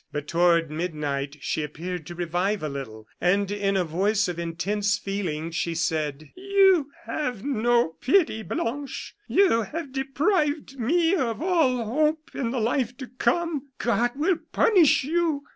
But toward midnight she appeared to revive a little, and in a voice of intense feeling, she said: "You have had no pity, Blanche. You have deprived me of all hope in the life to come. God will punish you.